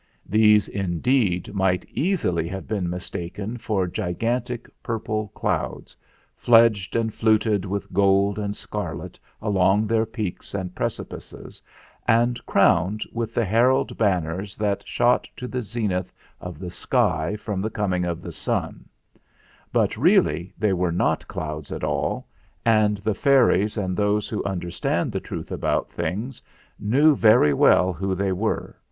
These, indeed, might easily have been mistaken for gigantic purple clouds, fledged and fluted with gold and scarlet along their peaks and precipices, and crowned with the herald banners that shot to the zenith of the sky from the coming of the sun; but really they were not clouds at all, and the fairies, and 330 THE FLINT HEART those who understand the truth about things, knew very well who they were.